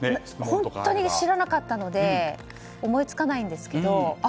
本当に知らなかったので思いつかないんですけど。